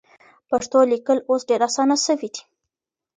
پښتو لیکل اوس ډېر اسانه سوي دي.